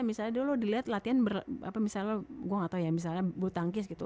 misalnya dulu lo dilihat latihan apa misalnya gue gak tau ya misalnya butangkis gitu